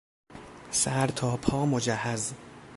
سرتاپا مجهز